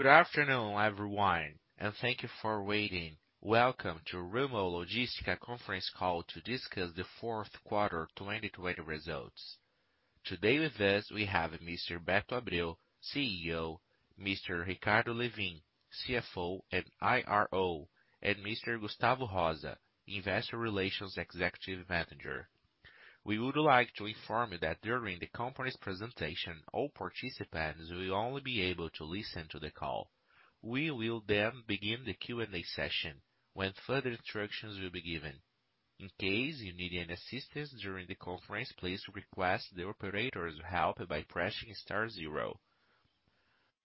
Good afternoon, everyone, and thank you for waiting. Welcome to Rumo Logística conference call to discuss the fourth quarter 2020 results. Today with us, we have Mr. Beto Abreu, CEO, Mr. Ricardo Lewin, CFO and IRO, and Mr. Gustavo da Rosa, Investor Relations Executive Manager. We would like to inform you that during the company's presentation, all participants will only be able to listen to the call. We will begin the Q&A session, when further instructions will be given. In case you need any assistance during the conference, please request the operator's help by pressing star zero.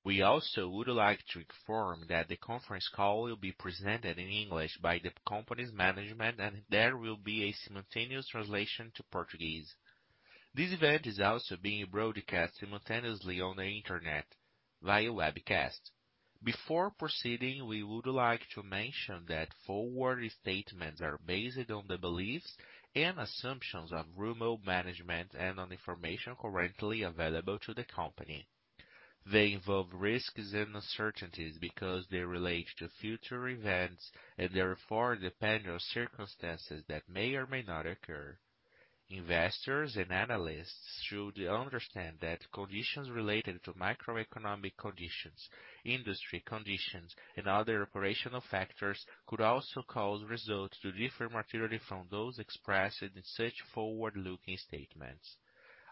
We also would like to inform that the conference call will be presented in English by the company's management, and there will be a simultaneous translation to Portuguese. This event is also being broadcast simultaneously on the internet via webcast. Before proceeding, we would like to mention that forward statements are based on the beliefs and assumptions of Rumo management and on information currently available to the company. They involve risks and uncertainties because they relate to future events and therefore depend on circumstances that may or may not occur. Investors and analysts should understand that conditions related to macroeconomic conditions, industry conditions, and other operational factors could also cause results to differ materially from those expressed in such forward-looking statements.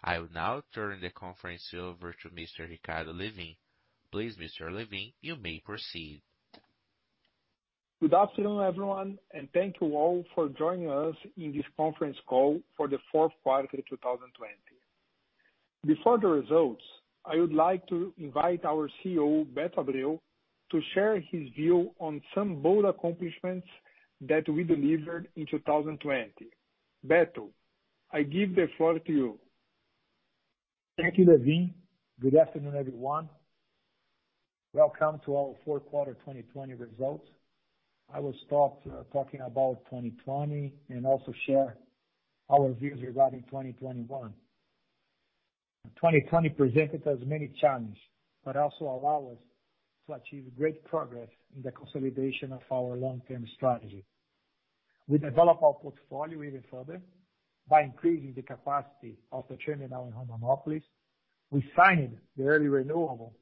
I will now turn the conference over to Mr. Ricardo Lewin. Please, Mr. Lewin, you may proceed. Good afternoon, everyone, and thank you all for joining us in this conference call for the fourth quarter of 2020. Before the results, I would like to invite our CEO, Beto Abreu, to share his view on some bold accomplishments that we delivered in 2020. Beto, I give the floor to you. Thank you, Lewin. Good afternoon, everyone. Welcome to our fourth quarter 2020 results. I will start talking about 2020 and also share our views regarding 2021. 2020 presented us many challenges, also allowed us to achieve great progress in the consolidation of our long-term strategy. We developed our portfolio even further by increasing the capacity of the terminal in Rondonópolis. We signed the early renewal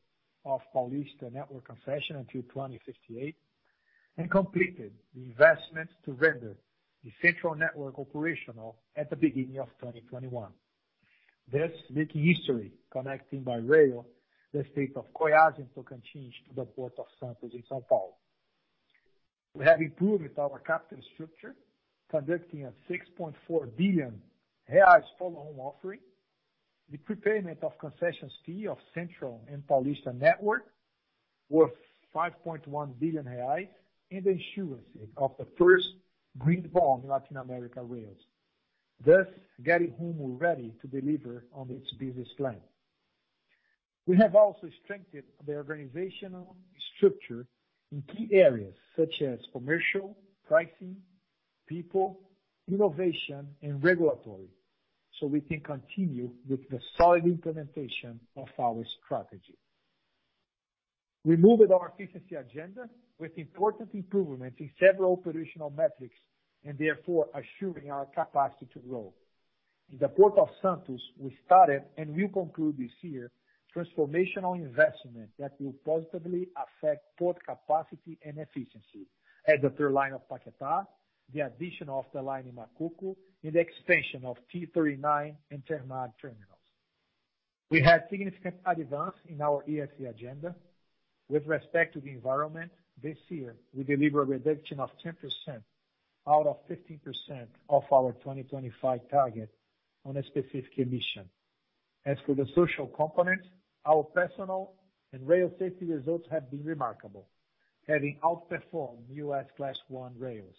of Paulista Network concession until 2058 and completed the investment to render the Central Network operational at the beginning of 2021, thus making history, connecting by rail the state of Goiás and Tocantins to the Port of Santos in São Paulo. We have improved our capital structure, conducting a 6.4 billion reais follow-on offering, the prepayment of concessions fee of Central and Paulista Network, worth 5.1 billion reais, and the issuance of the first green bond in Latin America rails, thus getting Rumo ready to deliver on its business plan. We have also strengthened the organizational structure in key areas such as commercial, pricing, people, innovation, and regulatory, so we can continue with the solid implementation of our strategy. We moved our efficiency agenda with important improvements in several operational metrics and therefore assuring our capacity to grow. In the Port of Santos, we started and will conclude this year transformational investment that will positively affect port capacity and efficiency. At the third line of Paquetá, the addition of the line in Macuco and the extension of T39 and Termag terminals. We had significant advance in our ESG agenda. With respect to the environment, this year, we deliver a reduction of 10% out of 15% of our 2025 target on a specific emission. As for the social component, our personal and rail safety results have been remarkable, having outperformed U.S. Class I rails.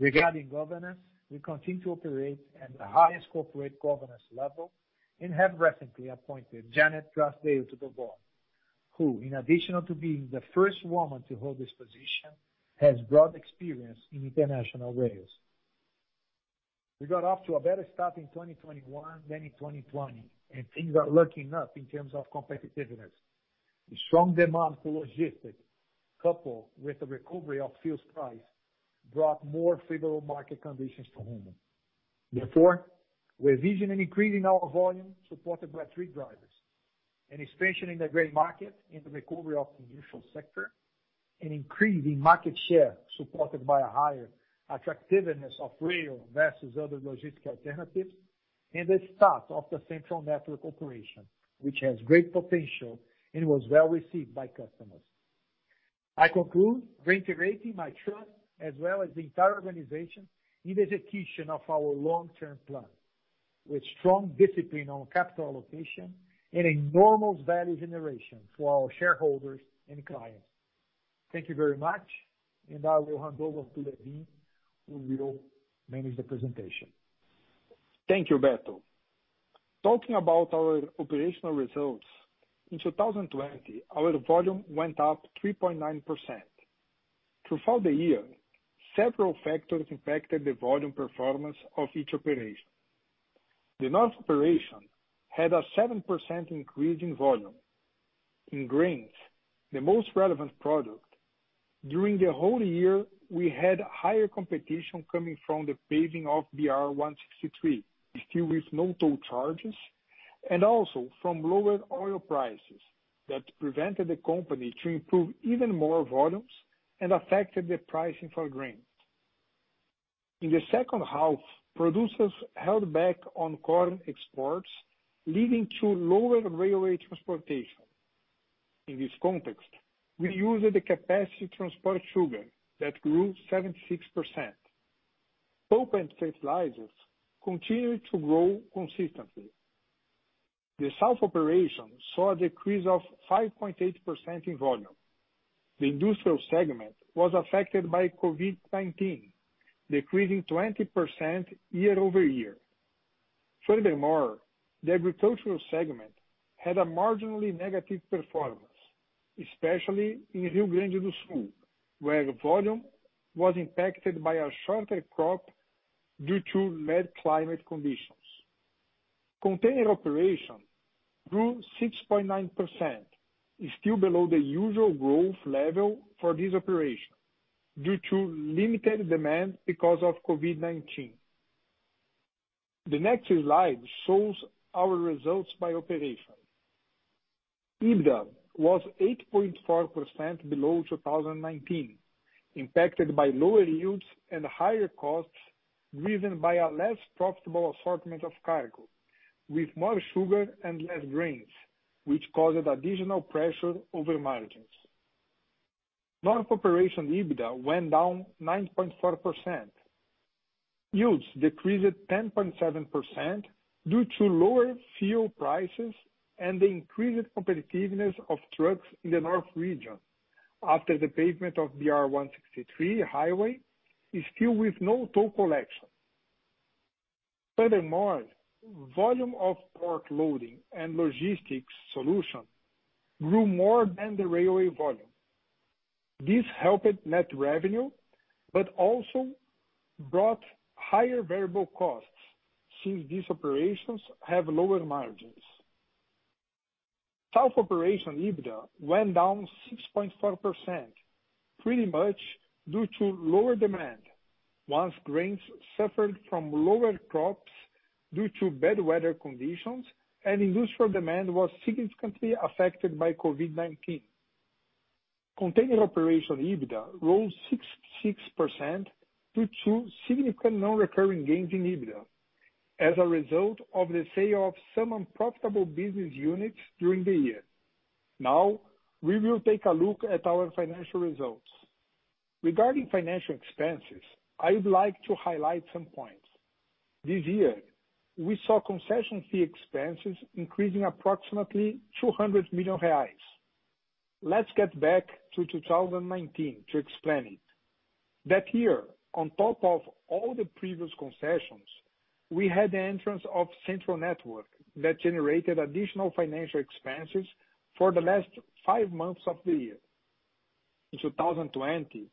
Regarding governance, we continue to operate at the highest corporate governance level and have recently appointed Janet Drysdale to the Board, who, in addition to being the first woman to hold this position, has broad experience in international rails. We got off to a better start in 2021 than in 2020. Things are looking up in terms of competitiveness. The strong demand for logistics, coupled with the recovery of fuel price, brought more favorable market conditions to Rumo. We're envisioning increasing our volume supported by three drivers, an expansion in the grain market and the recovery of the industrial sector, an increase in market share supported by a higher attractiveness of rail versus other logistical alternatives, and the start of the Central Network operation, which has great potential and was well-received by customers. I conclude, reiterating my trust as well as the entire organization in execution of our long-term plan, with strong discipline on capital allocation and enormous value generation for our shareholders and clients. Thank you very much, I will hand over to Lewin, who will manage the presentation. Thank you, Beto. Talking about our operational results, in 2020, our volume went up 3.9%. Throughout the year, several factors impacted the volume performance of each operation. The North operation had a 7% increase in volume. In grains, the most relevant product, during the whole year, we had higher competition coming from the paving of BR-163, still with no toll charges, and also from lower oil prices that prevented the company to improve even more volumes and affected the pricing for grains. In the second half, producers held back on corn exports, leading to lower railway transportation. In this context, we used the capacity to transport sugar that grew 76%. Pulp and fertilizers continued to grow consistently. The South operation saw a decrease of 5.8% in volume. The industrial segment was affected by COVID-19, decreasing 20% year-over-year. The agricultural segment had a marginally negative performance, especially in Rio Grande do Sul, where volume was impacted by a shorter crop due to bad climate conditions. Container operation grew 6.9%, still below the usual growth level for this operation due to limited demand because of COVID-19. The next slide shows our results by operation. EBITDA was 8.4% below 2019, impacted by lower yields and higher costs driven by a less profitable assortment of cargo with more sugar and less grains, which caused additional pressure over margins. North operation EBITDA went down 9.4%. Yields decreased 10.7% due to lower fuel prices and the increased competitiveness of trucks in the North region after the pavement of BR-163 highway, still with no toll collection. Volume of port loading and logistics solution grew more than the railway volume. This helped net revenue, but also brought higher variable costs since these operations have lower margins. South operation EBITDA went down 6.4%, pretty much due to lower demand, once grains suffered from lower crops due to bad weather conditions and industrial demand was significantly affected by COVID-19. Container operation EBITDA rose 66% due to significant non-recurring gains in EBITDA as a result of the sale of some unprofitable business units during the year. We will take a look at our financial results. Regarding financial expenses, I would like to highlight some points. This year, we saw concession fee expenses increasing approximately 200 million reais. Let's get back to 2019 to explain it. That year, on top of all the previous concessions, we had the entrance of Central Network that generated additional financial expenses for the last five months of the year. In 2020,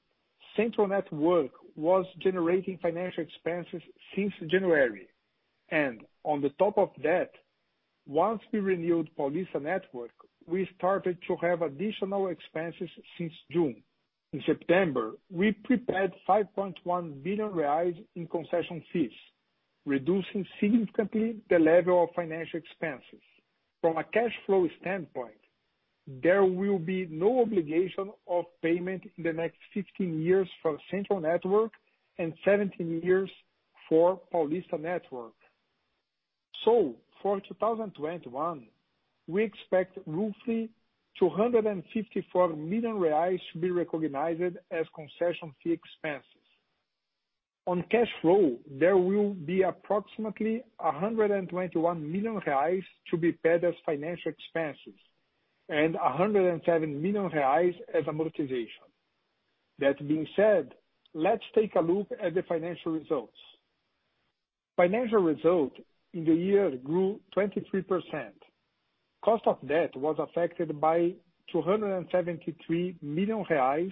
Central Network was generating financial expenses since January. On the top of that, once we renewed Paulista Network, we started to have additional expenses since June. In September, we prepared 5.1 billion reais in concession fees, reducing significantly the level of financial expenses. From a cash flow standpoint, there will be no obligation of payment in the next 15 years for Central Network and 17 years for Paulista Network. For 2021, we expect roughly 254 million reais to be recognized as concession fee expenses. On cash flow, there will be approximately 121 million reais to be paid as financial expenses and 107 million reais as amortization. That being said, let's take a look at the financial results. Financial result in the year grew 23%. Cost of debt was affected by 273 million reais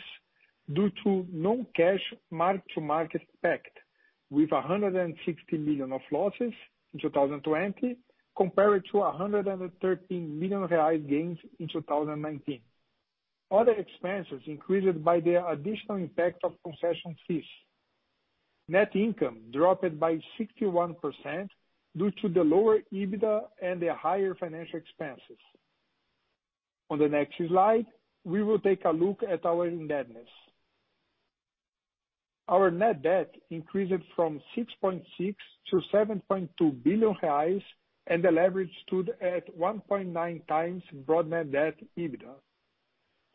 due to non-cash mark-to-market effect with 160 million of losses in 2020, compared to 113 million reais gains in 2019. Other expenses increased by the additional impact of concession fees. Net income dropped by 61% due to the lower EBITDA and the higher financial expenses. On the next slide, we will take a look at our indebtedness. Our net debt increased from 6.6 billion-7.2 billion reais, and the leverage stood at 1.9x gross debt EBITDA.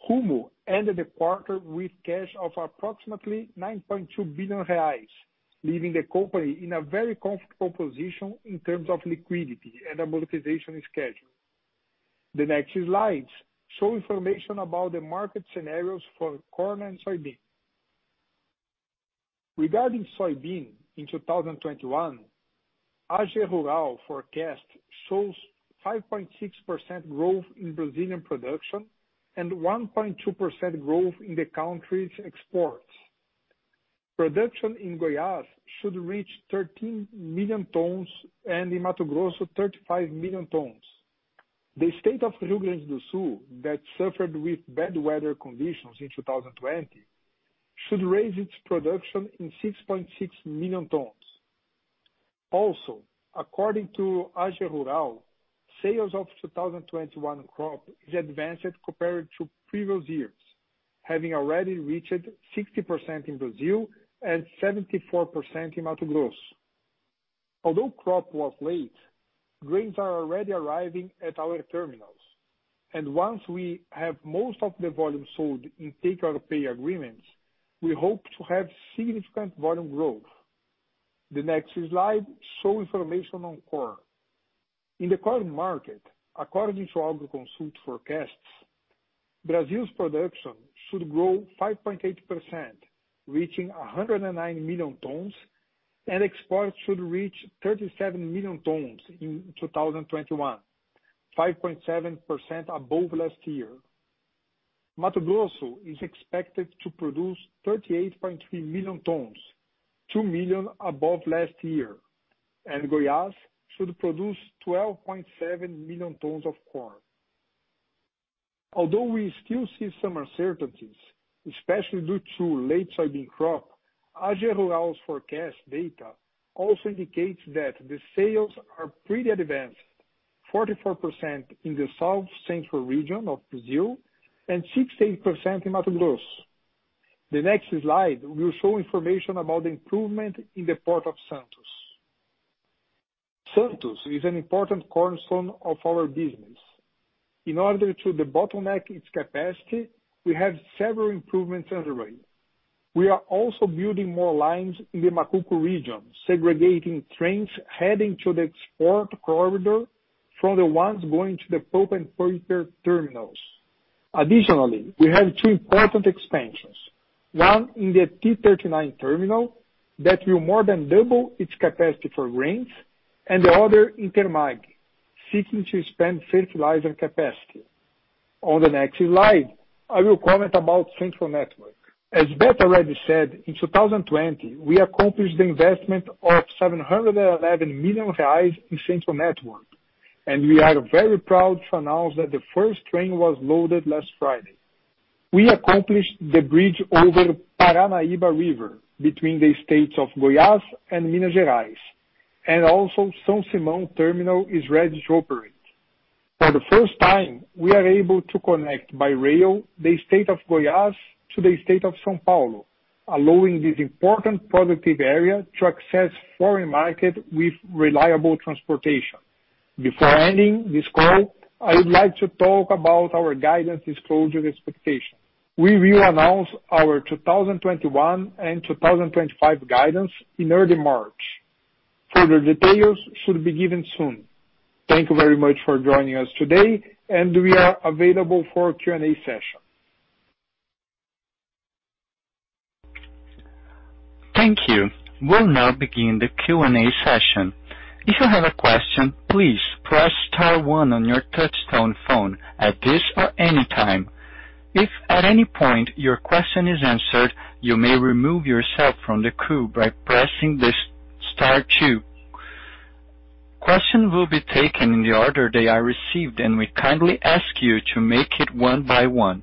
Rumo ended the quarter with cash of approximately 9.2 billion reais, leaving the company in a very comfortable position in terms of liquidity and amortization schedule. The next slides show information about the market scenarios for corn and soybean. Regarding soybean in 2021, AgRural forecast shows 5.6% growth in Brazilian production and 1.2% growth in the country's exports. Production in Goiás should reach 13 million tons and in Mato Grosso, 35 million tons. The state of Rio Grande do Sul, that suffered with bad weather conditions in 2020, should raise its production in 6.6 million tons. According to AgRural, sales of 2021 crop is advanced compared to previous years, having already reached 60% in Brazil and 74% in Mato Grosso. Crop was late, grains are already arriving at our terminals. Once we have most of the volume sold in take-or-pay agreements, we hope to have significant volume growth. The next slide shows information on corn. In the corn market, according to Agroconsult forecasts, Brazil's production should grow 5.8%, reaching 109 million tons, and exports should reach 37 million tons in 2021, 5.7% above last year. Mato Grosso is expected to produce 38.3 million tons, 2 million above last year. Goiás should produce 12.7 million tons of corn. Although we still see some uncertainties, especially due to late soybean crop, AgRural's forecast data also indicates that the sales are pretty advanced, 44% in the South Central region of Brazil and 68% in Mato Grosso. The next slide will show information about the improvement in the Port of Santos. Santos is an important cornerstone of our business. In order to debottleneck its capacity, we have several improvements underway. We are also building more lines in the Macuco region, segregating trains heading to the export corridor from the ones going to the pulp-and-paper terminals. Additionally, we have two important expansions. One in the T39 terminal that will more than double its capacity for grains, and the other in Termag, seeking to expand fertilizer capacity. On the next slide, I will comment about Central Network. As Beto already said, in 2020, we accomplished the investment of 711 million reais in Central Network, and we are very proud to announce that the first train was loaded last Friday. We accomplished the bridge over Paranaíba River between the states of Goiás and Minas Gerais, and also São Simão terminal is ready to operate. For the first time, we are able to connect by rail the state of Goiás to the state of São Paulo, allowing this important productive area to access foreign market with reliable transportation. Before ending this call, I would like to talk about our guidance disclosure expectation. We will announce our 2021 and 2025 guidance in early March. Further details should be given soon. Thank you very much for joining us today, and we are available for Q&A session. Thank you. We'll now begin the Q&A session. If you have a question please press star one on your touch-tone phone. At any time, if at any point your question is answered, you may removed yourself from the queue, by pressing the star two. Questions will be taken in the order they are received, and we kindly ask you to make it one by one.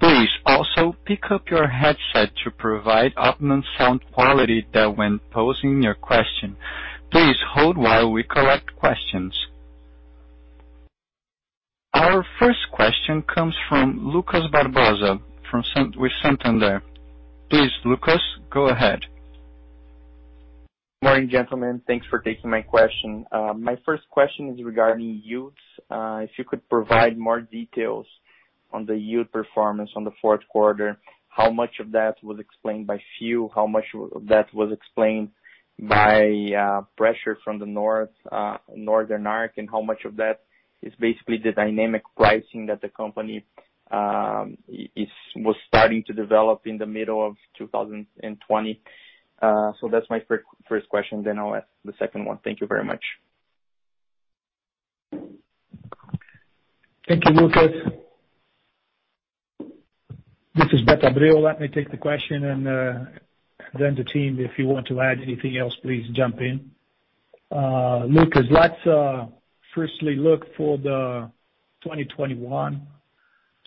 Please also pick up your headset to provide optimum sound quality. When posing your question, please hold while we connect questions. Our first question comes from Lucas Barbosa with Santander. Please, Lucas, go ahead. Morning, gentlemen. Thanks for taking my question. My first question is regarding yields. If you could provide more details on the yield performance on the fourth quarter, how much of that was explained by fuel? How much of that was explained by pressure from the North, Northern Arc, and how much of that is basically the dynamic pricing that the company was starting to develop in the middle of 2020? That's my first question. I'll ask the second one. Thank you very much. Thank you, Lucas. This is Beto Abreu. Let me take the question and then the team, if you want to add anything else, please jump in. Lucas, let's firstly look for the 2021.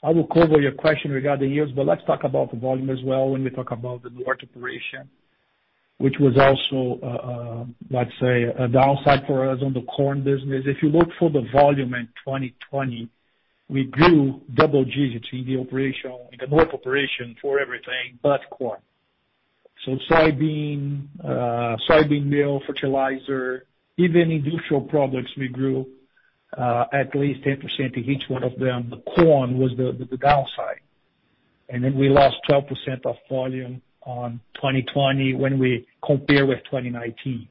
I will cover your question regarding yields, but let's talk about the volume as well when we talk about the North operation, which was also, let's say, a downside for us on the corn business. If you look for the volume in 2020, we grew double digits in the North operation for everything but corn. Soybean, soybean meal, fertilizer, even industrial products, we grew at least 10% in each one of them. The corn was the downside. We lost 12% of volume on 2020 when we compare with 2019.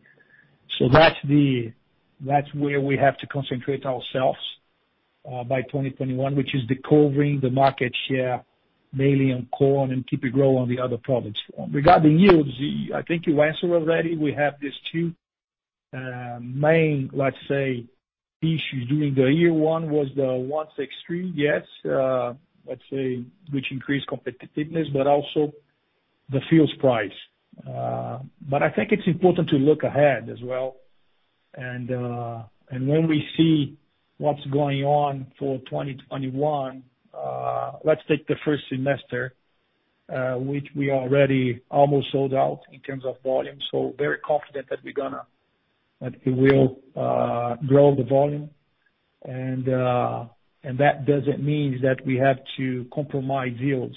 That's where we have to concentrate ourselves, by 2021, which is recovering the market share mainly on corn and keep it growing on the other products. Regarding yields, I think you answered already. We have these two Main, let's say, issue during the year one was the 163, yes. Let's say, which increased competitiveness, but also the fuel's price. I think it's important to look ahead as well. When we see what's going on for 2021, let's take the first semester which we already almost sold out in terms of volume, so very confident that we will grow the volume. That doesn't mean that we have to compromise yields.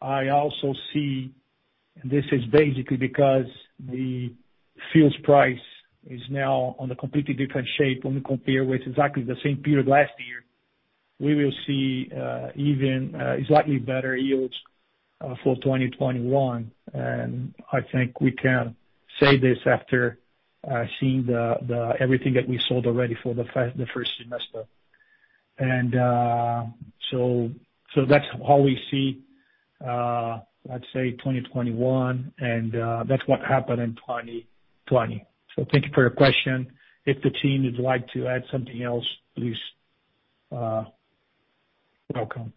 I also see, this is basically because the fuel's price is now on a completely different shape when we compare with exactly the same period last year. We will see even slightly better yields for 2021. I think we can say this after seeing everything that we sold already for the first semester. That's how we see, let's say 2021, and that's what happened in 2020. Thank you for your question. If the team would like to add something else, please welcome.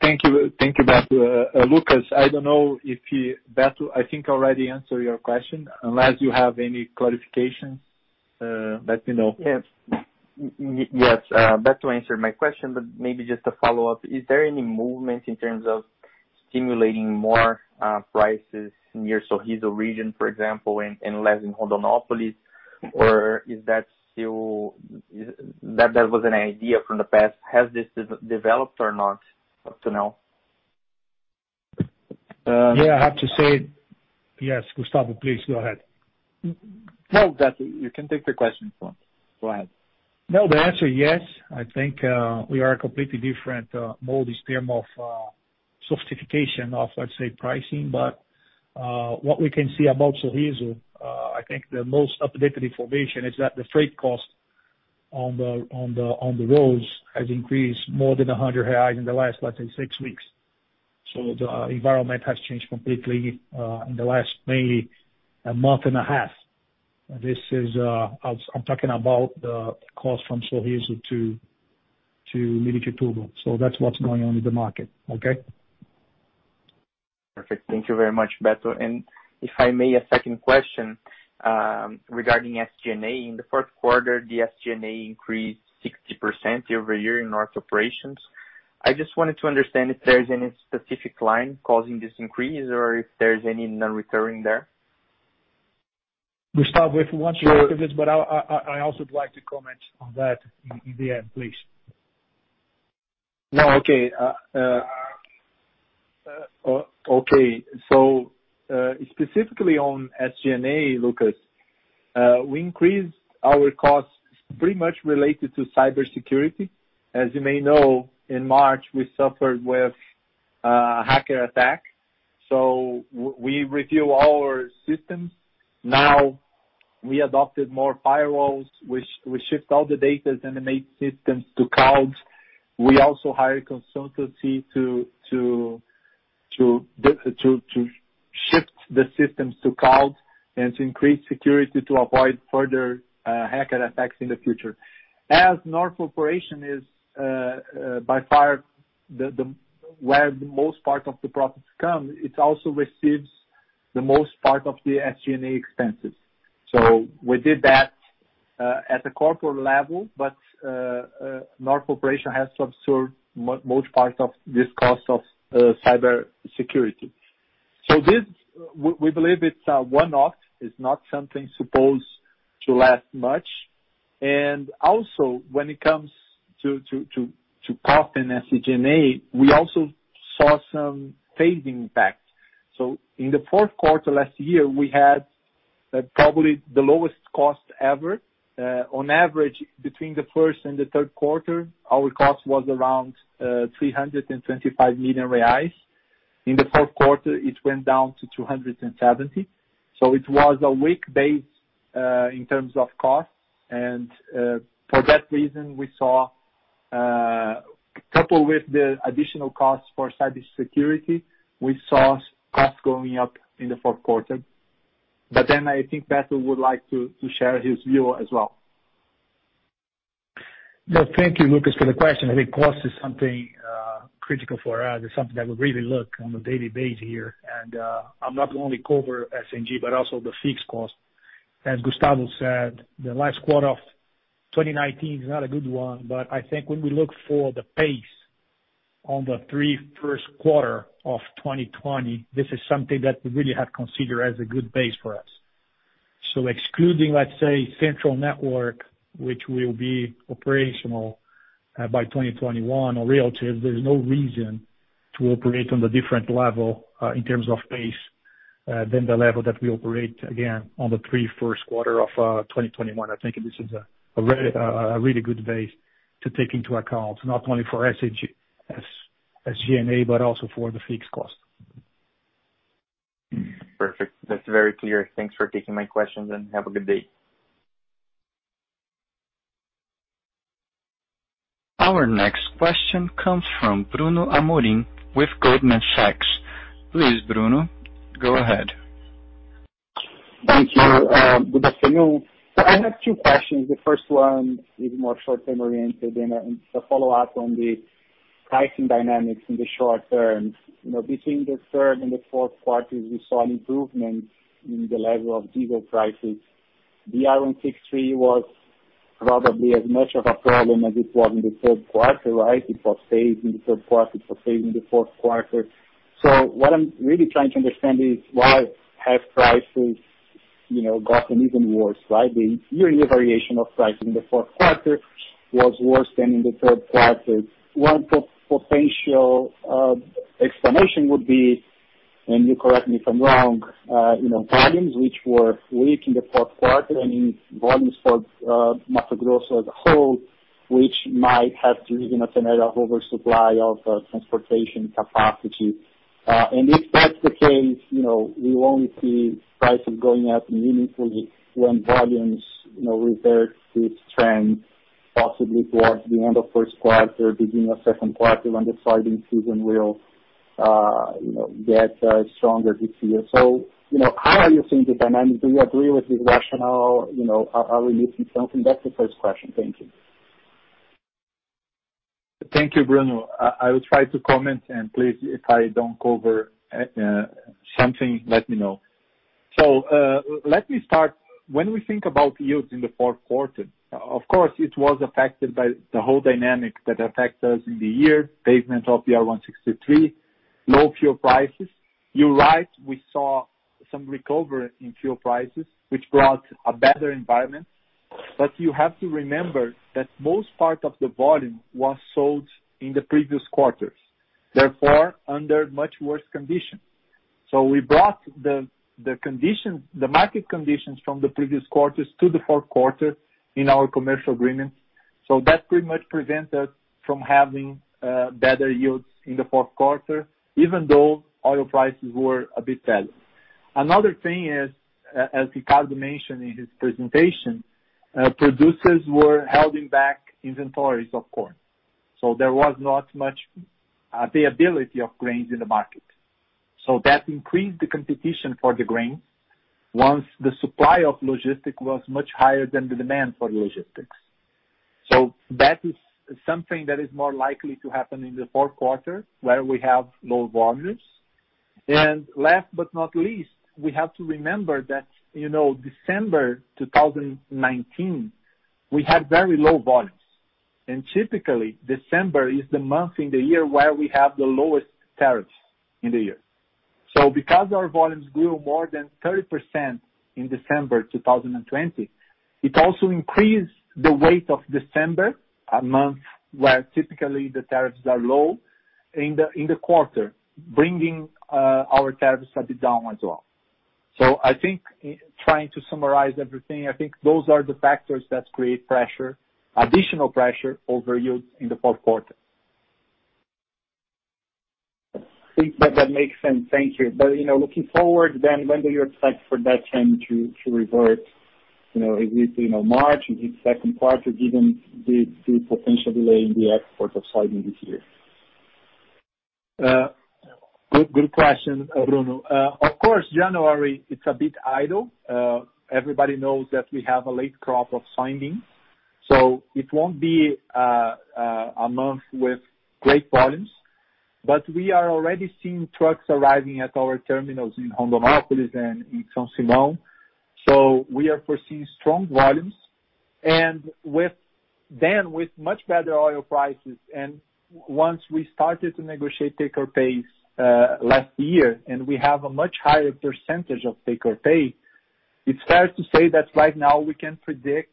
Thank you, Beto. Lucas, I don't know if Beto, I think, already answered your question. Unless you have any clarifications, let me know. Yes. Beto answered my question, but maybe just a follow-up. Is there any movement in terms of stimulating more prices near Sorriso region, for example, and less in Rondonópolis? That was an idea from the past? Has this developed or not up to now? Yeah, I have to say Yes, Gustavo, please, go ahead. No, Beto, you can take the question. Go ahead. No, the answer is yes. I think we are a completely different mold this term of sophistication of, let's say, pricing. What we can see about Sorriso, I think the most updated information is that the freight cost on the roads has increased more than 100 reais in the last, let's say, six weeks. The environment has changed completely in the last, mainly a month and a half. I'm talking about the cost from Sorriso to Miritituba. That's what's going on in the market. Okay? Perfect. Thank you very much, Beto. If I may, a second question, regarding SG&A. In the fourth quarter, the SG&A increased 60% year-over-year in North operations. I just wanted to understand if there's any specific line causing this increase or if there's any non-recurring there. Gustavo, if you want to take this, but I also would like to comment on that in the end, please. No, okay. Specifically on SG&A, Lucas, we increased our costs pretty much related to cybersecurity. As you may know, in March, we suffered with a hacker attack. We review our systems. Now we adopted more firewalls. We shift all the data and the main systems to cloud. We also hire consultancy to shift the systems to cloud and to increase security to avoid further hacker attacks in the future. As North operation is by far where the most part of the profits come, it also receives the most part of the SG&A expenses. We did that at the corporate level, but North operation has to absorb most part of this cost of cybersecurity. This, we believe it's a one-off. It's not something supposed to last much. Also when it comes to cost and SG&A, we also saw some phasing back. In the fourth quarter last year, we had probably the lowest cost ever. On average, between the first and the third quarter, our cost was around 325 million reais. In the fourth quarter, it went down to 270. It was a weak base in terms of cost. For that reason, coupled with the additional cost for cybersecurity, we saw cost going up in the fourth quarter. I think Beto would like to share his view as well. Well, thank you, Lucas, for the question. I think cost is something critical for us. It's something that we really look on a daily basis here. I'm not only cover SG&A, but also the fixed cost. As Gustavo said, the last quarter of 2019 is not a good one. I think when we look for the pace on the three first quarter of 2020, this is something that we really have considered as a good base for us. Excluding, let's say, Central Network, which will be operational by 2021 or relatives, there's no reason to operate on the different level, in terms of pace, than the level that we operate again on the three first quarter of 2021. I think this is a really good base to take into account, not only for SG&A, but also for the fixed cost. Perfect. That's very clear. Thanks for taking my questions and have a good day. Our next question comes from Bruno Amorim with Goldman Sachs. Please, Bruno, go ahead. Thank you. Good afternoon. I have two questions. The first one is more short-term oriented and a follow-up on the pricing dynamics in the short term. Between the third and the fourth quarters, we saw an improvement in the level of diesel prices. BR-163 was probably as much of a problem as it was in the third quarter, right? It was safe in the third quarter, it was safe in the fourth quarter. What I'm really trying to understand is why have prices gotten even worse, right? The yearly variation of price in the fourth quarter was worse than in the third quarter. One potential explanation would be, and you correct me if I'm wrong, volumes which were weak in the fourth quarter, I mean, volumes for Mato Grosso as a whole, which might have to do with an overall supply of transportation capacity. If that's the case, we will only see prices going up meaningfully when volumes revert to its trend, possibly towards the end of first quarter, beginning of second quarter, when the soybean season will get stronger this year. How are you seeing the dynamic? Do you agree with this rationale? Are we missing something? That's the first question. Thank you. Thank you, Bruno. I will try to comment and please, if I don't cover something, let me know. Let me start. When we think about yields in the fourth quarter, of course, it was affected by the whole dynamic that affects us in the year, pavement of BR-163, low fuel prices. You're right, we saw some recovery in fuel prices, which brought a better environment. You have to remember that most part of the volume was sold in the previous quarters, therefore, under much worse conditions. We brought the market conditions from the previous quarters to the fourth quarter in our commercial agreements. That pretty much prevent us from having better yields in the fourth quarter, even though oil prices were a bit better. Another thing is, as Ricardo mentioned in his presentation, producers were holding back inventories of corn. There was not much availability of grains in the market. That increased the competition for the grain, once the supply of logistics was much higher than the demand for logistics. That is something that is more likely to happen in the fourth quarter, where we have low volumes. Last but not least, we have to remember that December 2019, we had very low volumes. Typically, December is the month in the year where we have the lowest tariffs in the year. Because our volumes grew more than 30% in December 2020, it also increased the weight of December, a month where typically the tariffs are low, in the quarter, bringing our tariffs a bit down as well. I think, trying to summarize everything, I think those are the factors that create pressure, additional pressure over yields in the fourth quarter. I think that makes sense. Thank you. Looking forward then, when do you expect for that trend to revert? Is it March? Is it second quarter, given the potential delay in the export of soybean this year? Good question, Bruno. Of course, January, it's a bit idle. Everybody knows that we have a late crop of soybeans, it won't be a month with great volumes. We are already seeing trucks arriving at our terminals in Rondonópolis and in São Simão. We are foreseeing strong volumes. Then with much better oil prices, and once we started to negotiate take-or-pays last year, and we have a much higher percentage of take-or-pay, it's fair to say that right now we can predict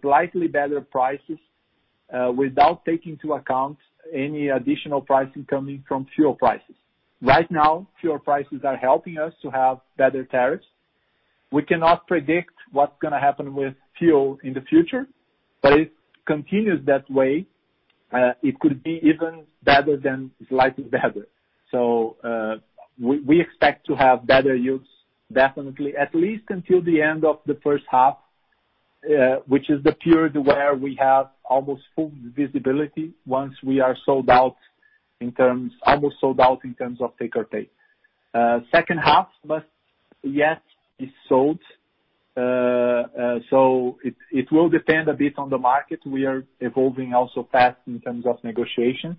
slightly better prices without taking into account any additional pricing coming from fuel prices. Right now, fuel prices are helping us to have better tariffs. We cannot predict what's going to happen with fuel in the future, it continues that way, it could be even better than slightly better. We expect to have better yields definitely, at least until the end of the first half, which is the period where we have almost full visibility once we are almost sold out in terms of take-or-pay. Second half must yet be sold. It will depend a bit on the market. We are evolving also fast in terms of negotiation.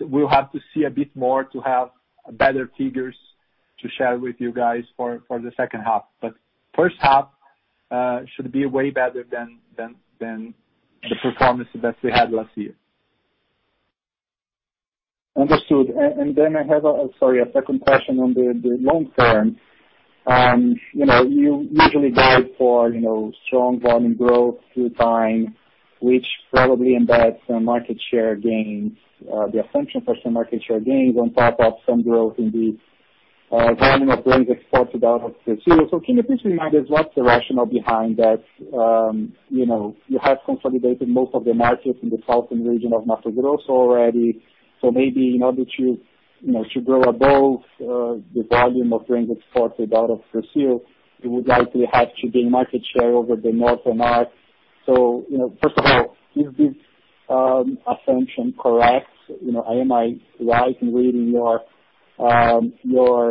We'll have to see a bit more to have better figures to share with you guys for the second half. First half should be way better than the performance that we had last year. Understood. I have, sorry, a second question on the long term. You usually guide for strong volume growth through time, which probably embeds some market share gains, the assumption for some market share gains on top of some growth in the volume of grain exported out of Brazil. Can you please remind us what's the rationale behind that? You have consolidated most of the markets in the southern region of Mato Grosso already. Maybe in order to grow above the volume of grain exported out of Brazil, you would likely have to gain market share over the Northern part. First of all, is this assumption correct? Am I right in reading your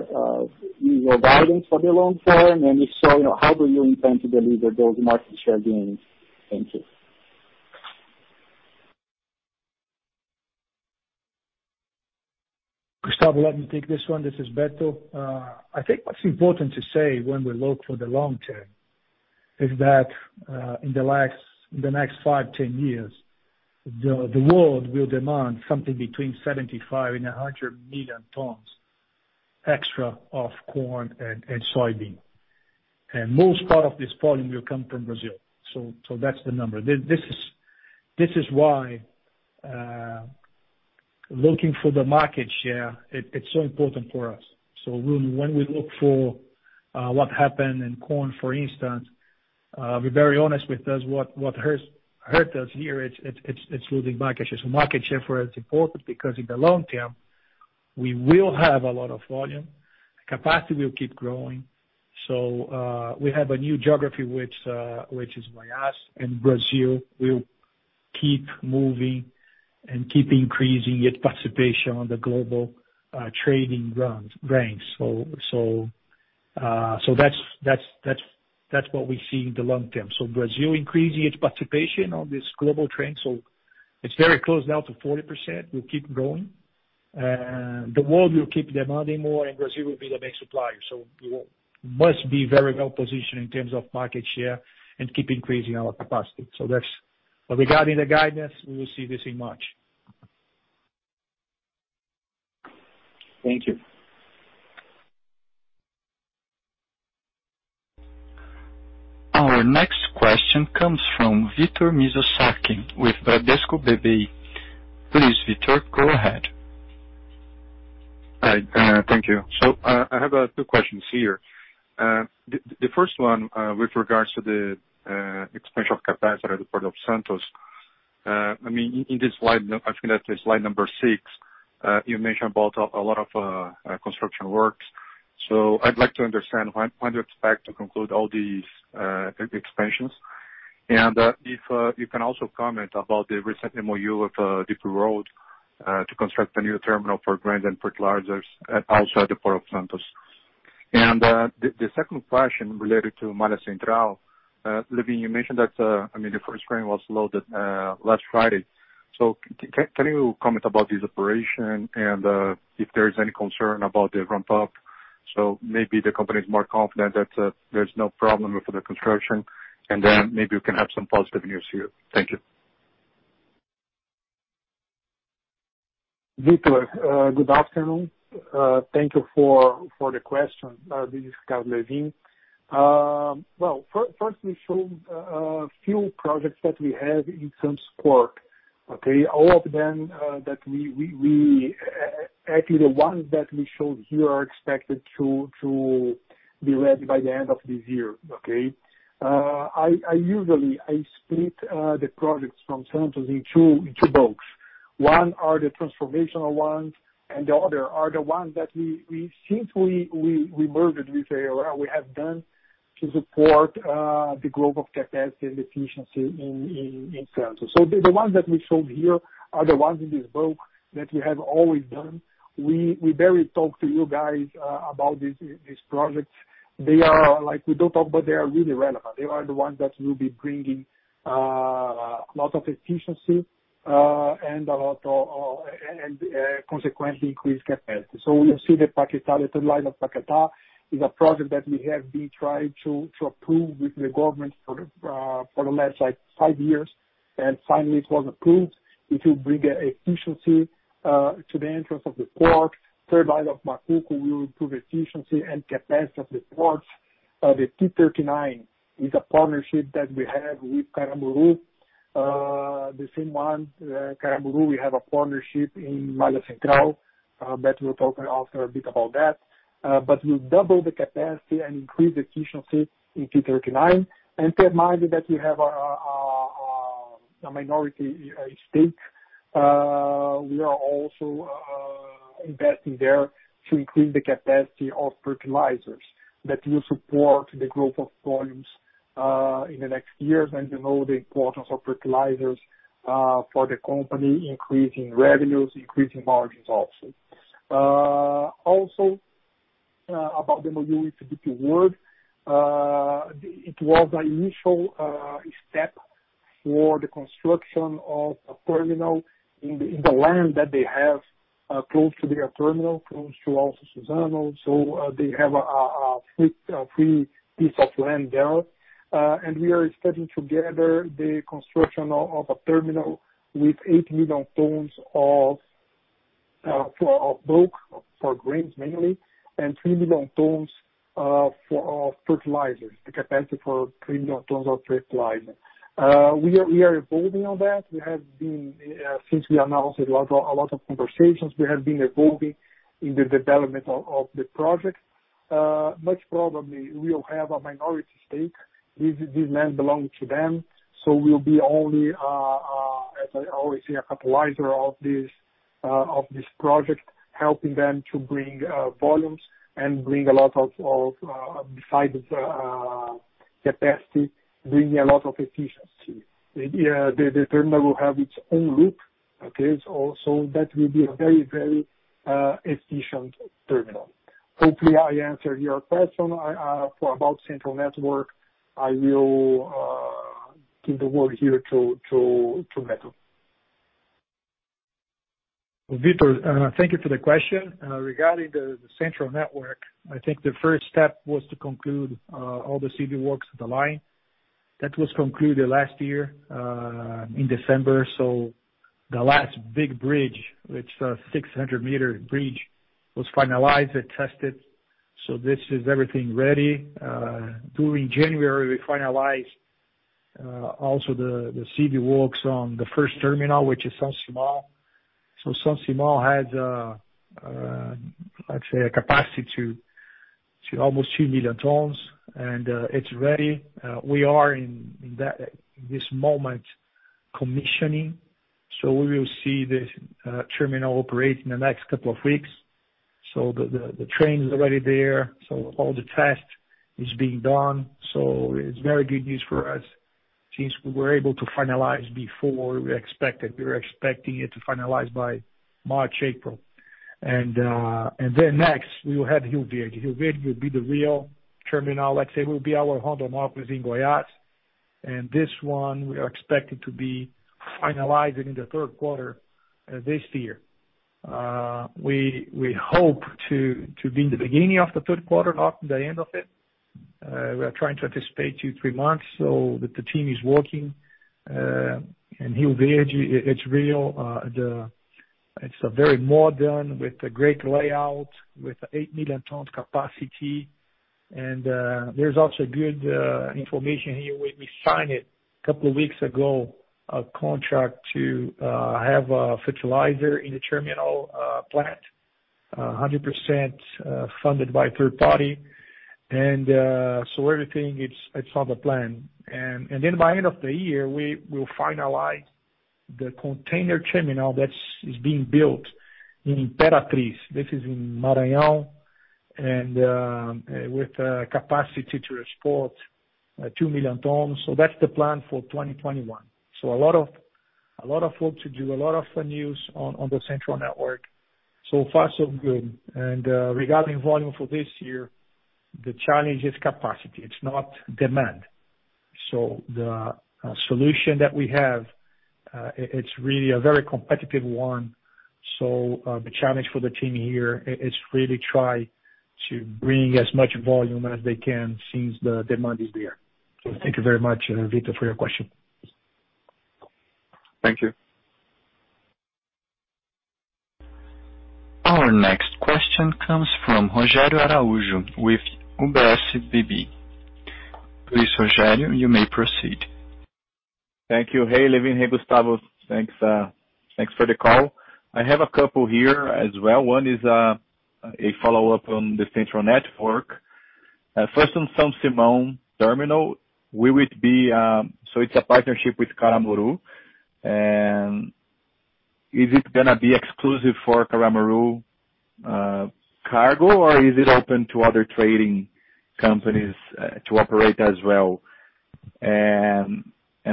guidance for the long term, and if so, how do you intend to deliver those market share gains? Thank you. Gustavo, let me take this one. This is Beto. I think what's important to say when we look for the long term is that in the next five, 10 years, the world will demand something between 75 and 100 million tons extra of corn and soybean. Most part of this volume will come from Brazil. That's the number. This is why looking for the market share, it's so important for us. When we look for what happened in corn, for instance, be very honest with us, what hurt us here, it's losing market share. Market share for us is important because in the long term, we will have a lot of volume. Capacity will keep growing. We have a new geography, which is Goiás, and Brazil will keep moving and keep increasing its participation on the global trading ranks. That's what we see in the long term. Brazil increasing its participation on this global trend. It's very close now to 40%, will keep growing. The world will keep demanding more, and Brazil will be the main supplier. We must be very well-positioned in terms of market share and keep increasing our capacity. Regarding the guidance, we will see this in March. Thank you. Our next question comes from Victor Mizusaki with Bradesco BBI. Please, Victor, go ahead. Hi. Thank you. I have two questions here. The first one, with regards to the expansion of capacity at the Port of Santos. In this slide, I think that is slide number six, you mentioned about a lot of construction works. I'd like to understand when do you expect to conclude all these expansions? If you can also comment about the recent MOU with DP World to construct a new terminal for grains and fertilizers outside the Port of Santos. The second question related to Malha Central. Lewin, you mentioned that the first train was loaded last Friday. Can you comment about this operation and if there is any concern about the ramp-up? Maybe the company is more confident that there's no problem with the construction, and then maybe we can have some positive news here. Thank you. Victor, good afternoon. Thank you for the question. This is Ricardo Lewin. Well, first we showed a few projects that we have in terms of port. Okay. Actually, the ones that we showed here are expected to be ready by the end of this year. Okay. Usually, I split the projects from Santos in two boats. One are the transformational ones, and the other are the ones that since we merged with ALL, we have done to support the growth of capacity and efficiency in Santos. The ones that we showed here are the ones in this boat that we have always done. We barely talk to you guys about these projects. We don't talk, they are really relevant. They are the ones that will be bringing a lot of efficiency and consequently increase capacity. You see the Paquetá, the third line of Paquetá is a project that we have been trying to approve with the government for the last five years, and finally, it was approved. It will bring efficiency to the entrance of the port. Third line of Macuco will improve efficiency and capacity of the ports. The T39 is a partnership that we have with Caramuru. The same one, Caramuru, we have a partnership in Malha Central, Beto will talk also a bit about that. We'll double the capacity and increase efficiency in T39. Keep in mind that we have a minority stake. We are also investing there to increase the capacity of fertilizers that will support the growth of volumes in the next years. You know the importance of fertilizers for the company, increasing revenues, increasing margins also. About the MOU with DP World. It was the initial step for the construction of a terminal in the land that they have close to their terminal, close to also Suzano. They have a free piece of land there. We are studying together the construction of a terminal with 8 million tons of bulk, for grains mainly, and 3 million tons of fertilizers. The capacity for 3 million tons of fertilizers. We are evolving on that. Since we announced, a lot of conversations, we have been evolving in the development of the project. Much probably, we'll have a minority stake. This land belongs to them. We'll be only, as I always say, a capitalizer of this project, helping them to bring volumes and bring a lot of besidesCapacity, bringing a lot of efficiency. The terminal will have its own loop. Okay. That will be a very efficient terminal. Hopefully, I answered your question. For about Central Network, I will give the word here to Beto. Victor, thank you for the question. Regarding the Central Network, I think the first step was to conclude all the civil works of the line. That was concluded last year in December. The last big bridge, which is a 600 m bridge, was finalized and tested. This is everything ready. During January, we finalized also the civil works on the first terminal, which is São Simão. São Simão has, let's say, a capacity to almost 2 million tons, and it's ready. We are in this moment, commissioning. We will see the terminal operate in the next couple of weeks. The train is already there. All the test is being done. It's very good news for us since we were able to finalize before we expected. We were expecting it to finalize by March, April. Next, we will have Rio Verde. Rio Verde will be the real terminal. Let's say, will be our hub 11 in Goiás. This one, we are expecting to be finalizing in the third quarter this year. We hope to be in the beginning of the third quarter, not the end of it. We are trying to anticipate two, three months so the team is working, Rio Verde, it's real. It's very modern with a great layout, with 8 million tons capacity. There's also good information here. We signed it a couple of weeks ago, a contract to have a fertilizer in the terminal plant, 100% funded by third-party. So everything, it's on the plan. By end of the year, we will finalize the container terminal that is being built in Imperatriz. This is in Maranhão, with capacity to export two million tons. That's the plan for 2021. A lot of work to do, a lot of news on the Central Network. Far, so good. Regarding volume for this year, the challenge is capacity. It's not demand. The solution that we have, it's really a very competitive one. The challenge for the team here is really try to bring as much volume as they can since the demand is there. Thank you very much, Victor, for your question. Thank you. Our next question comes from Rogério Araújo with UBS BB. Please, Rogério, you may proceed. Thank you. Hey, Lewin. Hey, Gustavo. Thanks for the call. I have a couple here as well. One is a follow-up on the Central Network. First, on São Simão terminal. It's a partnership with Caramuru, and is it going to be exclusive for Caramuru cargo, or is it open to other trading companies to operate as well?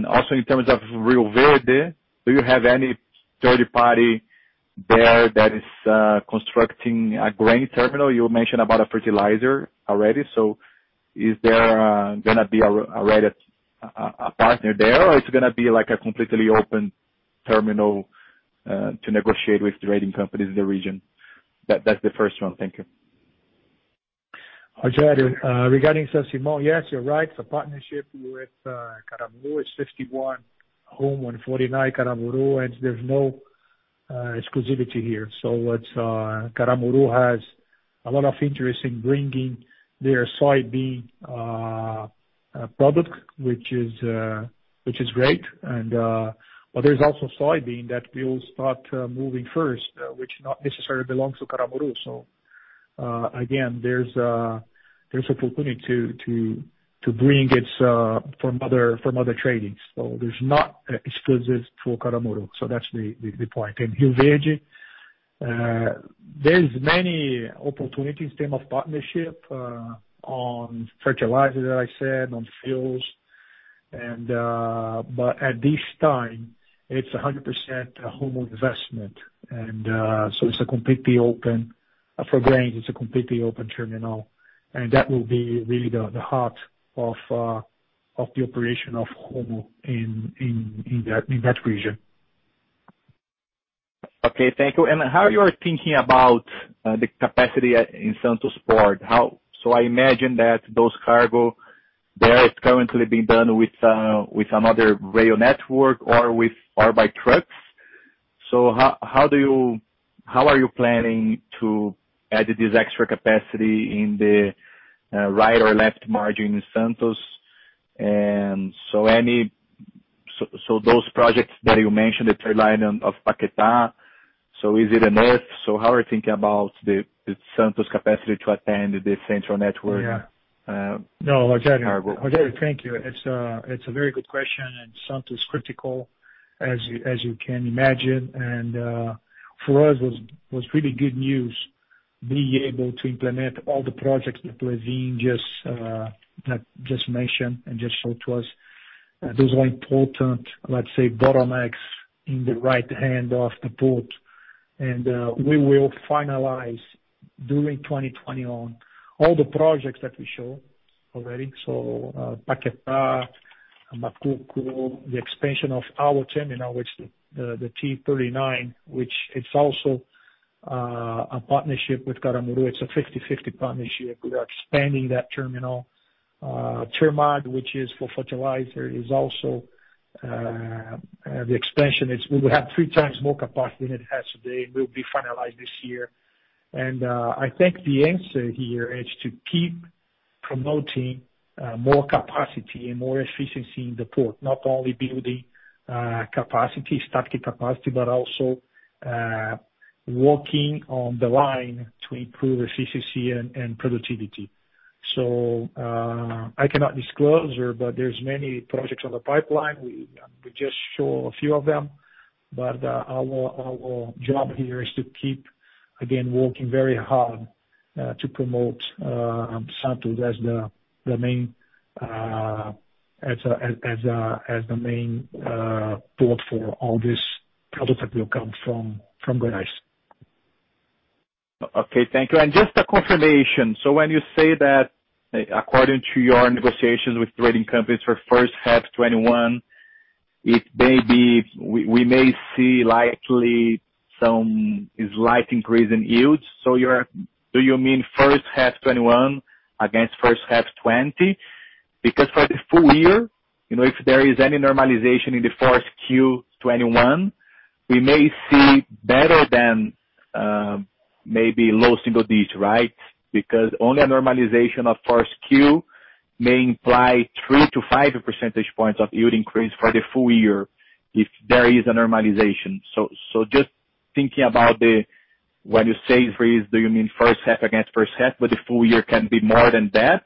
Also, in terms of Rio Verde, do you have any third-party there that is constructing a grain terminal? You mentioned about a fertilizer already. Is there going to be already a partner there, or it's going to be a completely open terminal to negotiate with trading companies in the region? That's the first one. Thank you. Rogério, regarding São Simão, yes, you're right. It's a partnership with Caramuru. It's 51 Rumo, 49 Caramuru, there's no exclusivity here. Caramuru has a lot of interest in bringing their soybean public, which is great. There's also soybean that will start moving first, which not necessarily belongs to Caramuru. Again, there's opportunity to bring it from other tradings. There's not exclusive to Caramuru. That's the point. In Rio Verde, there's many opportunities in term of partnership, on fertilizer, as I said, on fuels. At this time, it's 100% Rumo investment. It's a completely open, for grains, it's a completely open terminal. That will be really the heart of the operation of Rumo in that region. How you are thinking about the capacity in Santos Port? I imagine that those cargo there is currently being done with another rail network or by trucks. How are you planning to add this extra capacity in the right or left margin in Santos? Those projects that you mentioned, the third line of Paquetá, so is it enough? How are you thinking about the Santos capacity to attend the Central Network? No, Rogério. Thank you. It's a very good question. Santos is critical as you can imagine. For us, was really good news to be able to implement all the projects that Lewin just mentioned and just showed to us. Those are important, let's say, bottlenecks in the right hand of the port. We will finalize during 2020 on all the projects that we show already. Paquetá, Macuco, the expansion of our terminal, which the T39, which it's also a partnership with Caramuru. It's a 50/50 partnership. We are expanding that terminal. Termag, which is for fertilizer, is also the expansion. We will have three times more capacity than it has today. Will be finalized this year. I think the answer here is to keep promoting more capacity and more efficiency in the port. Not only building capacity, static capacity, but also working on the line to improve efficiency and productivity. I cannot disclose, but there's many projects on the pipeline. We just show a few of them, our job here is to keep, again, working very hard, to promote Santos as the main port for all this product that will come from Goiás. Okay. Thank you. Just a confirmation. When you say that according to your negotiations with trading companies for first half 2021, we may see a slight increase in yields. Do you mean first half 2021 against first half 2020? For the full year, if there is any normalization in the 1Q 2021, we may see better than maybe low single digits, right? Only a normalization of 1Q may imply three to five percentage points of yield increase for the full year, if there is a normalization. Just thinking about the, when you say freeze, do you mean first half against first half, but the full year can be more than that,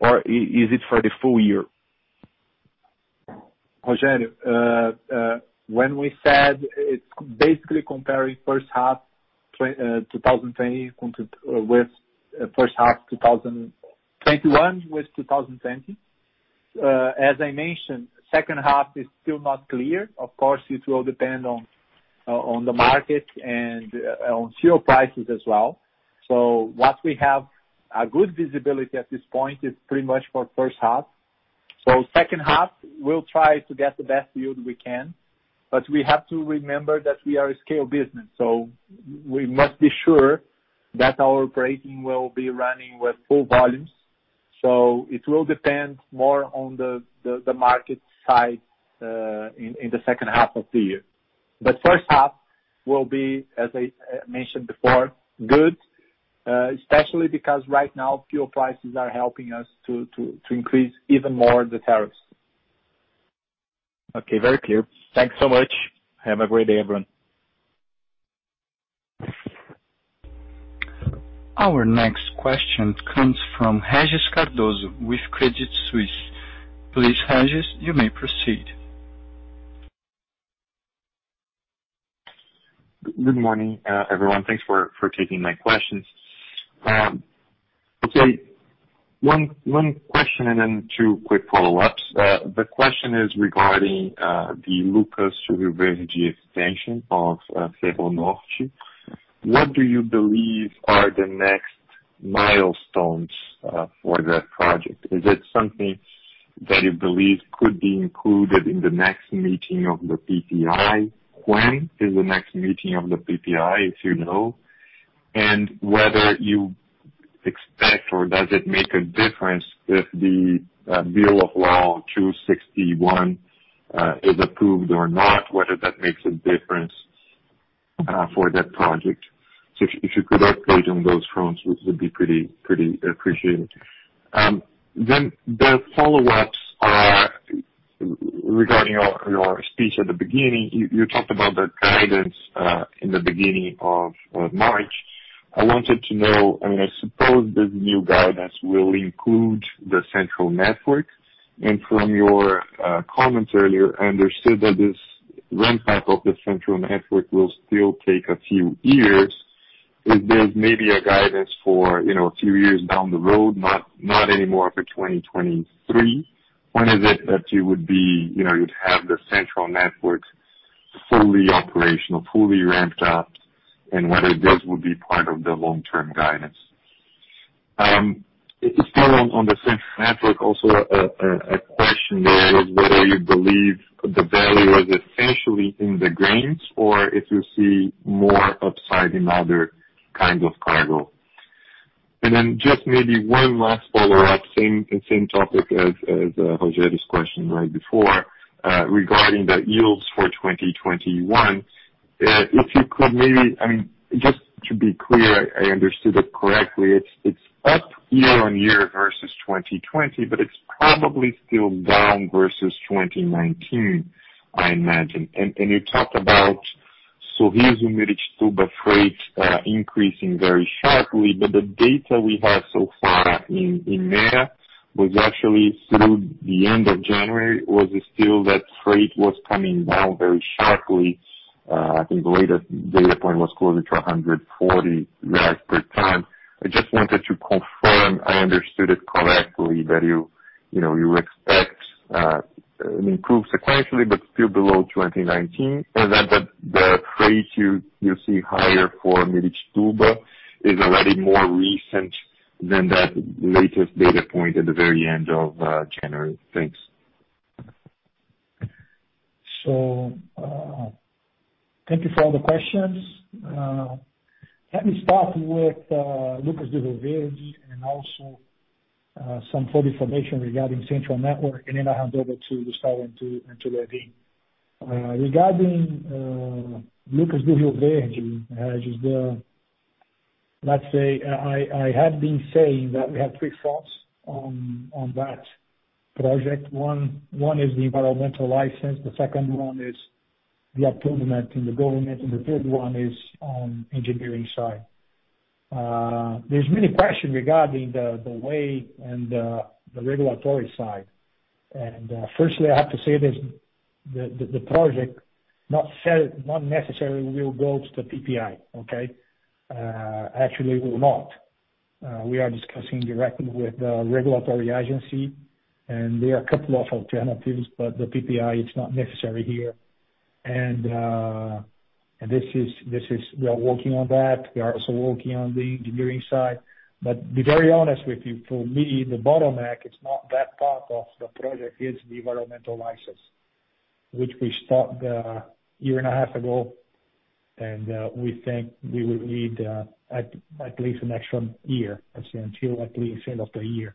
or is it for the full year? Rogério, when we said it's basically comparing first half 2020 with first half 2021 with 2020. As I mentioned, second half is still not clear. Of course, it will depend on the market and on fuel prices as well. What we have a good visibility at this point is pretty much for first half. Second half, we'll try to get the best yield we can, but we have to remember that we are a scale business, so we must be sure that our operating will be running with full volumes. It will depend more on the market side in the second half of the year. First half will be, as I mentioned before, good, especially because right now fuel prices are helping us to increase even more the tariffs. Okay. Very clear. Thanks so much. Have a great day, everyone. Our next question comes from Regis Cardoso with Credit Suisse. Please, Regis, you may proceed. Good morning, everyone. Thanks for taking my questions. Okay. One question and then two quick follow-ups. The question is regarding the Lucas do Rio Verde extension of Ferronorte. What do you believe are the next milestones for that project? Is it something that you believe could be included in the next meeting of the PPI? When is the next meeting of the PPI, if you know? Whether you expect or does it make a difference if the Bill of Law 261 is approved or not, whether that makes a difference for that project. If you could update on those fronts, which would be pretty appreciated. The follow-ups are regarding your speech at the beginning. You talked about the guidance, in the beginning of March. I wanted to know, I suppose this new guidance will include the Central Network. From your comments earlier, I understood that this ramp-up of the Central Network will still take a few years. If there's maybe a guidance for a few years down the road, not anymore for 2023. When is it that you'd have the Central Network fully operational, fully ramped up? Whether this would be part of the long-term guidance? Still on the Central Network, also a question there is whether you believe the value is essentially in the grains or if you see more upside in other kinds of cargo. Just maybe one last follow-up, same topic as Rogério's question right before, regarding the yields for 2021. If you could maybe, just to be clear, I understood it correctly. It's up year-on-year versus 2020, but it's probably still down versus 2019, I imagine. You talked about Sorriso Miritituba freight, increasing very sharply, but the data we have so far in IMEA was actually through the end of January, was still that freight was coming down very sharply. I think the latest data point was closer to 140 per ton. I just wanted to confirm I understood it correctly, that you expect an improvement sequentially, but still below 2019, and that the freight you see higher for Miritituba is already more recent than that latest data point at the very end of January. Thanks. Thank you for all the questions. Let me start with Lucas do Rio Verde and also some further information regarding Central Network, and then I hand over to Gustavo and to Lewin. Regarding Lucas do Rio Verde, let's say, I have been saying that we have three fronts on that project. One is the environmental license, the second one is the approval in the government, and the third one is on engineering side. There's many questions regarding the way and the regulatory side. Firstly, I have to say the project not necessarily will go to the PPI, okay? Actually, will not. We are discussing directly with the regulatory agency, and there are a couple of alternatives, but the PPI is not necessary here. We are working on that. We are also working on the engineering side. Be very honest with you, for me, the bottleneck is not that part of the project, it's the environmental license, which we stopped a year and a half ago. We think we will need at least an extra year, until at least end of the year,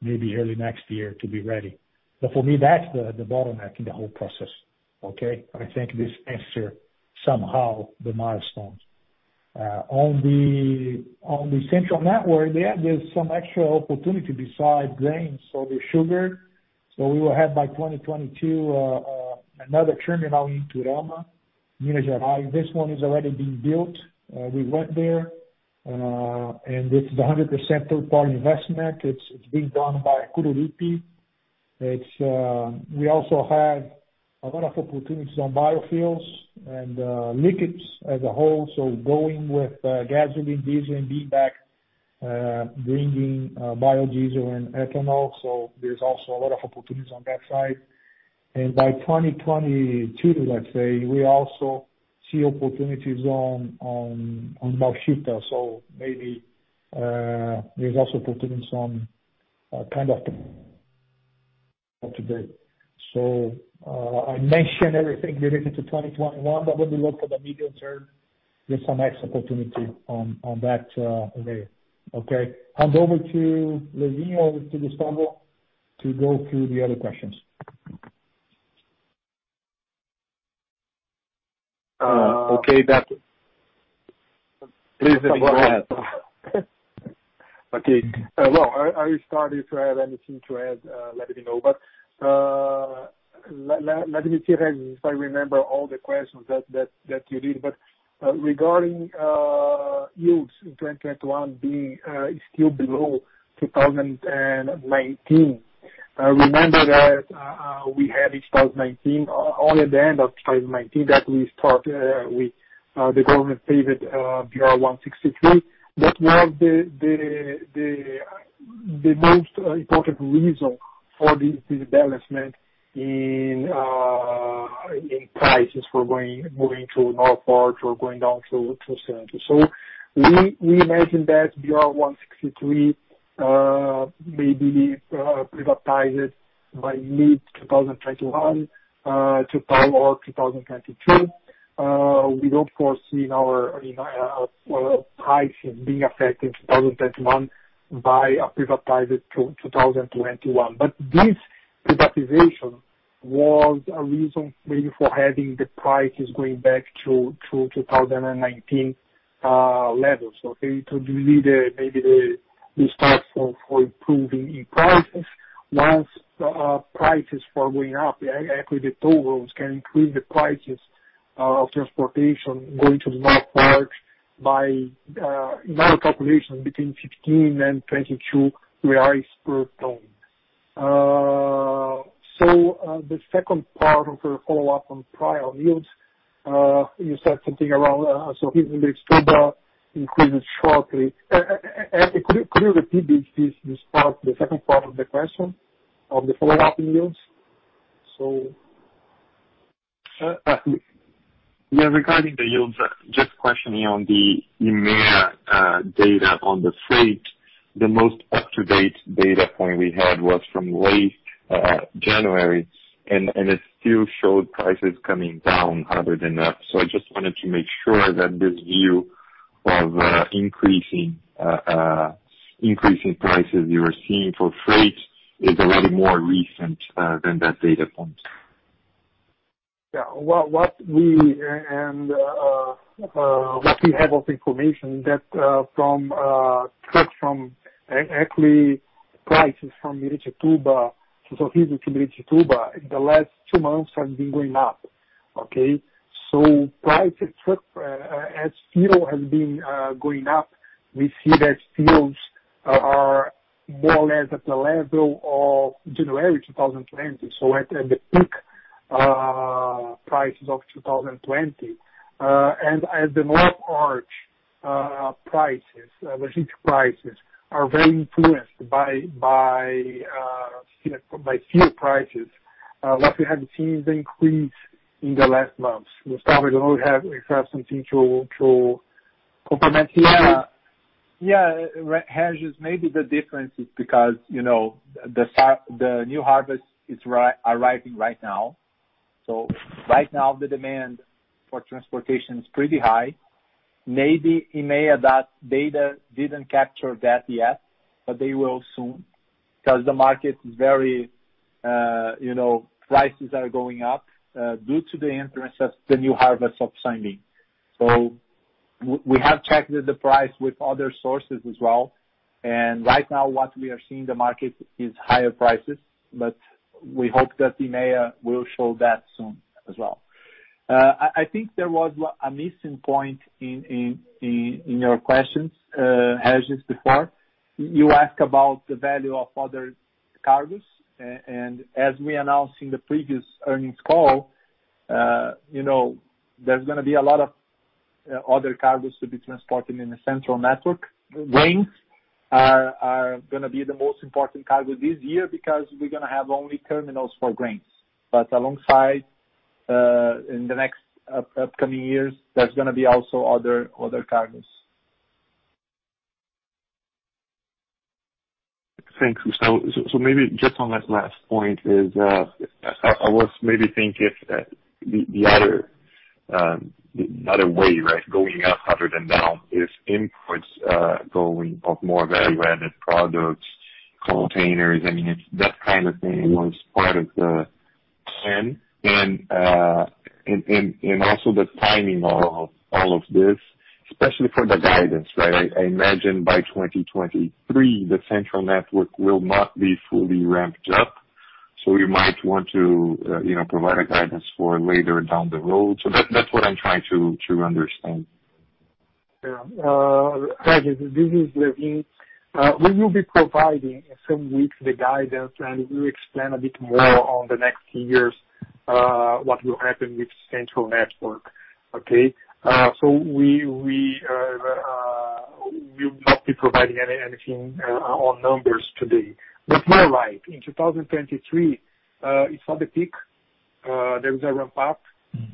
maybe early next year, to be ready. For me, that's the bottleneck in the whole process. Okay? I think this answers, somehow, the milestones. On the Central Network, yeah, there's some extra opportunity besides grains. There's sugar. We will have by 2022, another terminal in Iturama, Minas Gerais. This one is already being built. We went there. This is 100% third-party investment. It's being done by Coruripe. We also have a lot of opportunities on biofuels and liquids as a whole. Going with gasoline, diesel and B-back, bringing biodiesel and ethanol. There's also a lot of opportunities on that side. By 2022, let's say, we also see opportunities on Malha Sul. Maybe there's also opportunities on kind of up to date. I mentioned everything related to 2021, but when we look at the medium term, there's some nice opportunity on that layer. Okay? Hand over to Lewin, over to Gustavo, to go through the other questions. Okay. Please let me go ahead. Okay. Well, I will start. If you have anything to add, let me know. Let me see if I remember all the questions that you did. Regarding yields in 2021 being still below 2019. Remember that we had in 2019, only at the end of 2019, that we start with the government favored BR-163. That was the most important reason for this betterment in prices for going to North part or going down to center. We imagine that BR-163 may be privatized by mid-2021 to Q4 2022. We don't foresee our pricing being affected in 2021 by a privatized to 2021. This privatization was a reason maybe for having the prices going back to 2019 levels. Okay. To delete maybe the start for improving in prices. Once prices start going up, actually the toll roads can increase the prices of transportation going to the North part by my calculation, between 15 and 22 reais per ton. The second part of your follow-up on prior yields, you said something around Sorriso and Miritituba increases shortly. Could you repeat this part, the second part of the question of the follow-up yields? Yeah, regarding the yields, just questioning on the IMEA data on the freight. The most up-to-date data point we had was from late January, and it still showed prices coming down rather than up. I just wanted to make sure that this view of increasing prices you're seeing for freight is a lot more recent than that data point. Yeah. What we have of information that from truck from actually prices from Sorriso to Miritituba in the last two months have been going up. Price of truck, as steel has been going up, we see that steels are more or less at the level of January 2020, so at the peak prices of 2020. As the North Arch prices, logistics prices, are very influenced by steel prices. What we have seen is the increase in the last months. Gustavo, do you have something to complement here? Yeah. Regis, maybe the difference is because the new harvest is arriving right now. Right now, the demand for transportation is pretty high. Maybe IMEA that data didn't capture that yet, but they will soon, because the market prices are going up due to the entrance of the new harvest of soybean. We have checked the price with other sources as well, and right now what we are seeing the market is higher prices, but we hope that EMEA will show that soon as well. There was a missing point in your questions, Regis, before. You asked about the value of other cargoes, and as we announced in the previous earnings call, there's gonna be a lot of other cargoes to be transported in the Central Network. Grains are gonna be the most important cargo this year because we're gonna have only terminals for grains. Alongside, in the next upcoming years, there's going to be also other cargoes. Thank you. Maybe just on that last point is, I was maybe thinking if the other way, going up rather than down, is imports going up, more value-added products, containers, I mean, that kind of thing was part of the plan. Also the timing of all of this, especially for the guidance, right? I imagine by 2023, the Central Network will not be fully ramped up. You might want to provide a guidance for later down the road. That's what I'm trying to understand. Yeah. Regis, this is Lewin. We will be providing in some weeks the guidance, and we will explain a bit more on the next years, what will happen with Central Network. Okay? We will not be providing anything on numbers today. You are right, in 2023, it's not the peak. There is a ramp up.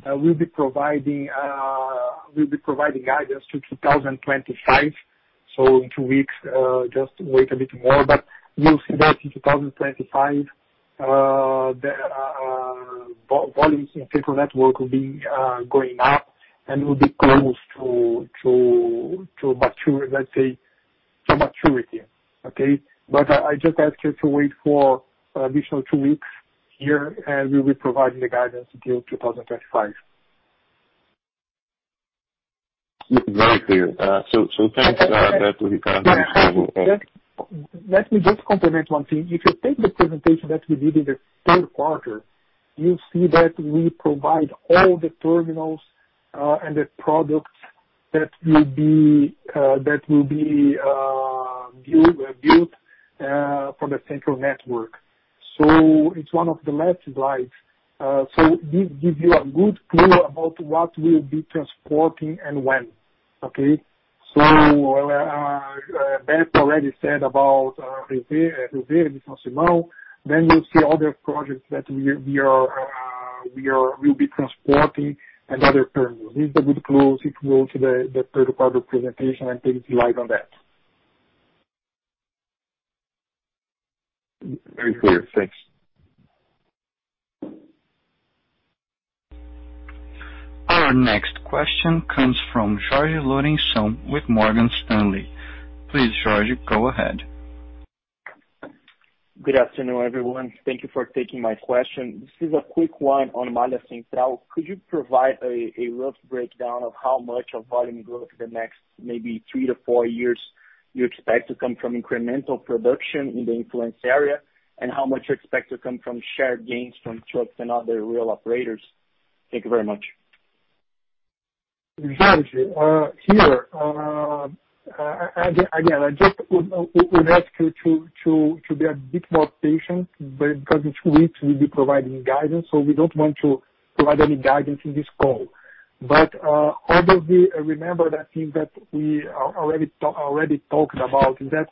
We'll be providing guidance to 2025. In two weeks, just wait a bit more. You'll see that in 2025, volumes in Central Network will be going up and will be close to mature, let's say, to maturity. Okay. I just ask you to wait for additional two weeks here, and we will provide the guidance until 2025. Very clear. Thanks, Beto, Ricardo and Gustavo. Let me just complement one thing. If you take the presentation that we did in the third quarter, you'll see that we provide all the terminals, and the products that will be built for the Central Network. It's one of the last slides. This gives you a good clue about what we'll be transporting and when. Okay? Beto already said about Rio Verde, then you'll see other projects that we'll be transporting another terminal. This will give clues if you go to the third quarter presentation and take a slide on that. Very clear. Thanks. Our next question comes from Jorge Lourenço with Morgan Stanley. Please, Jorge, go ahead. Good afternoon, everyone. Thank you for taking my question. This is a quick one on Malha Central. Could you provide a rough breakdown of how much of volume growth the next maybe three to four years you expect to come from incremental production in the influence area? How much you expect to come from shared gains from trucks and other rail operators? Thank you very much. Jorge, here. I just would ask you to be a bit more patient, because in two weeks, we'll be providing guidance. We don't want to provide any guidance in this call. Obviously, remember that thing that we already talked about, is that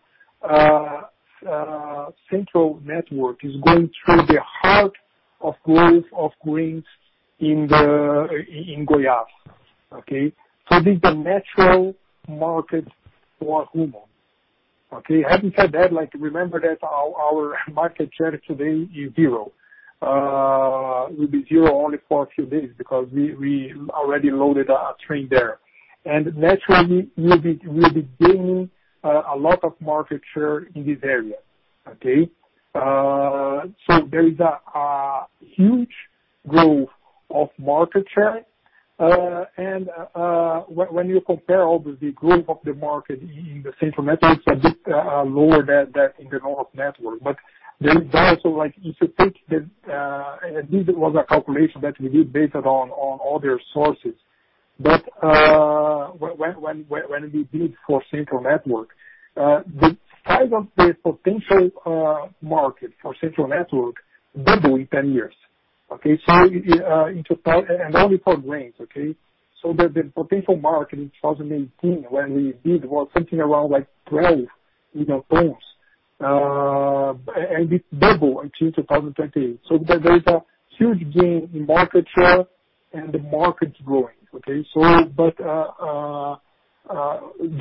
Central Network is going through the heart of growth of grains in Goiás. Okay. This is a natural market for Rumo. Okay. Having said that, remember that our market share today is zero. Will be zero only for a few days because we already loaded a train there. Naturally, we'll be gaining a lot of market share in this area. Okay. There is a huge growth of market share. When you compare all the growth of the market in the Central Network, it's a bit lower than in the North network. This was a calculation that we did based on other sources. When we bid for Central Network, the size of the potential market for Central Network doubled in 10 years. Okay? Only for grains, okay? The potential market in 2018 when we bid was something around 12 million tons, and it doubled until 2028. There is a huge gain in market share and the market's growing. Okay?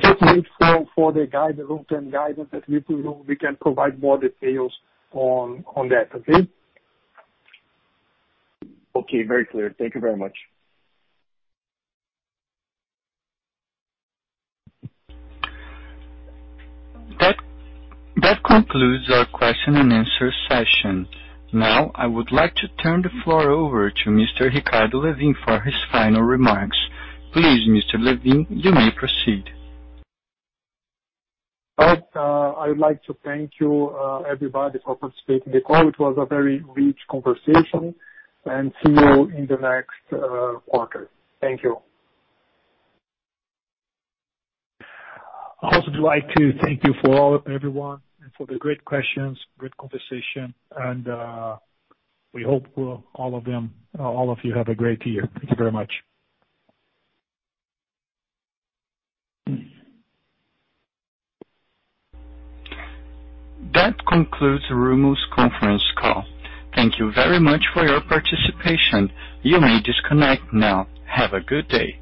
Just wait for the long-term guidance that we can provide more details on that. Okay? Okay. Very clear. Thank you very much. That concludes our question and answer session. I would like to turn the floor over to Mr. Ricardo Lewin for his final remarks. Please, Mr. Lewin, you may proceed. I would like to thank you everybody for participating in the call. It was a very rich conversation, and see you in the next quarter. Thank you. I also would like to thank you for all, everyone, and for the great questions, good conversation, and we hope all of you have a great year. Thank you very much. That concludes Rumo's conference call. Thank you very much for your participation. You may disconnect now. Have a good day.